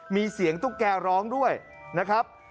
มีเสียงตุ๊กแกร้องด้วยนะครับ